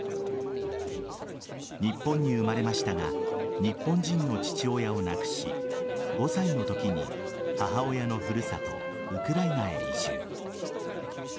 日本に生まれましたが日本人の父親を亡くし５歳の時に母親の古里・ウクライナへ移住。